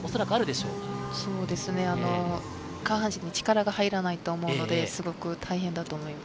そうですね、下半身に力が入らないと思うので、すごく大変だと思います。